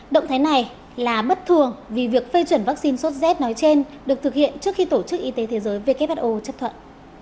động thái này là bất thường vì việc phê chuẩn vaccine sốt z nói trên được thực hiện trước khi tổ chức y tế thế giới who chấp thuận